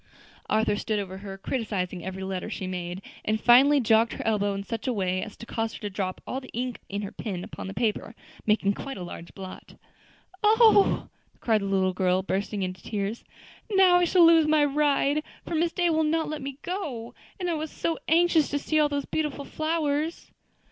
Arthur stood over her criticising every letter she made, and finally jogged her elbow in such a way as to cause her to drop all the ink in her pen upon the paper, making quite a large blot. "Oh!" cried the little girl, bursting into tears, "now I shall lose my ride, for Miss Day will not let me go; and I was so anxious to see all those beautiful flowers."